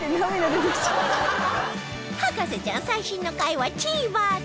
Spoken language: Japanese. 『博士ちゃん』最新の回は ＴＶｅｒ で